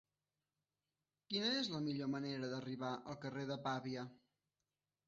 Quina és la millor manera d'arribar al carrer de Pavia?